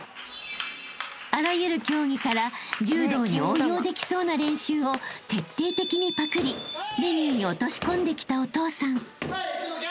［あらゆる競技から柔道に応用できそうな練習を徹底的にパクりメニューに落とし込んできたお父さん］